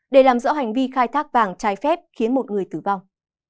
để làm rõ hành vi khai thác vàng trái phép khiến một người tử vong